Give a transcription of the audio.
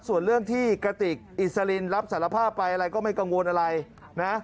ส่วนเรื่องที่กระติกอิสลินรับสารภาพไปอะไรก็ไม่กังวลอะไรนะ